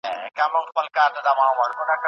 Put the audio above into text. دوه پیالې وې زما خوښې